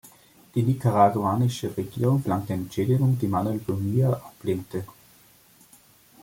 Die nicaraguanische Regierung verlangte eine Entschädigung, die Manuel Bonilla ablehnte.